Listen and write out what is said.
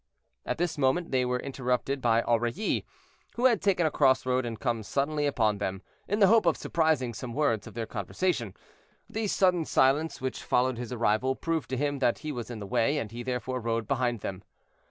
At this moment they were interrupted by Aurilly, who had taken a cross road and come suddenly upon them, in the hope of surprising some words of their conversation. The sudden silence which followed his arrival proved to him that he was in the way, and he therefore rode behind them.